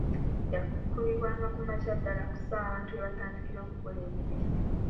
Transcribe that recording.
Yakubibwanga ku makya ddala ku ssaawa abantu we batandikira okukola emirimu.